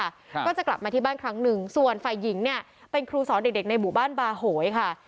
ครับก็จะกลับมาที่บ้านครั้งหนึ่งส่วนฝ่ายหญิงเนี่ยเป็นครูสอนเด็กเด็กในหมู่บ้านบาโหยค่ะ